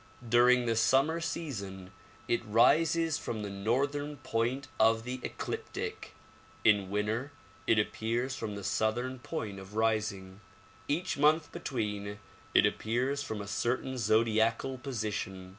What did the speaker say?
During the summer season it rises from the northern point of the ecliptic; in winter it appears from the southern point of rising. Each month between it appears from a certain zodiacal position.